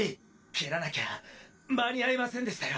蹴らなきゃ間に合いませんでしたよ。